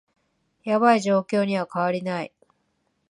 ヤバい状況には変わりない